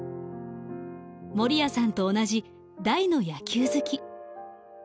守屋さんと同じ大の野球好き。